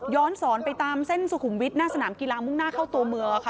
สอนไปตามเส้นสุขุมวิทย์หน้าสนามกีฬามุ่งหน้าเข้าตัวเมืองค่ะ